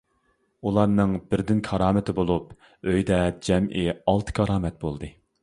ئۇلارنىڭ بىردىن «كارامىتى» بولۇپ، ئۆيدە جەمئىي ئالتە «كارامەت» بولدى.